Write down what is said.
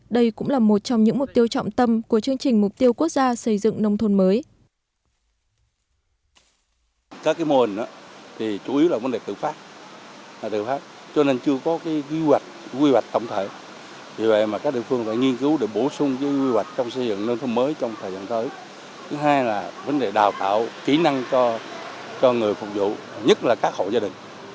đây cũng là một trong những mục tiêu trọng tâm của chương trình mục tiêu quốc gia xây dựng nông thôn mới